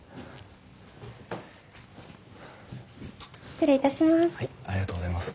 失礼いたします。